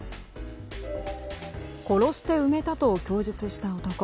殺して埋めたと供述した男。